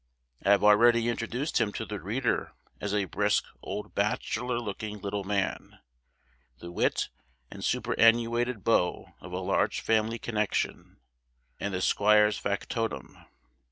I have already introduced him to the reader as a brisk old bachelor looking little man; the wit and superannuated beau of a large family connection, and the squire's factotum.